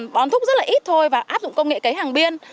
bón thuốc rất là ít thôi và áp dụng công nghệ cấy hàng biên